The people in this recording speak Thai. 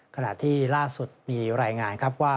ขณะที่ล่าสุดมีรายงานครับว่า